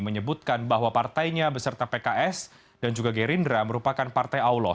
menyebutkan bahwa partainya beserta pks dan juga gerindra merupakan partai allah